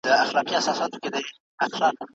ميتا فزيکي مرحله يوازي تخيل نه دی.